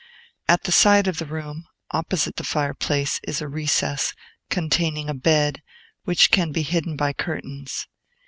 At the side of the room, opposite the fireplace, is a recess, containing a bed, which can be hidden by curtains.